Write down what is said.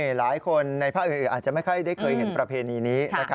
หลายคนในภาคอื่นอาจจะไม่ค่อยได้เคยเห็นประเพณีนี้